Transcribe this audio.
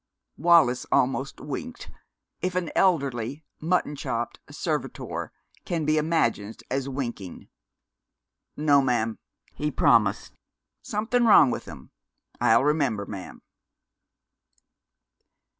Wallis almost winked, if an elderly, mutton chopped servitor can be imagined as winking. "No, ma'am," he promised. "Something wrong with 'em. I'll remember, ma'am."